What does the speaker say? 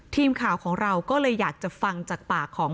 ทีมข่าวของเราก็เลยอยากจะฟังจากปากของ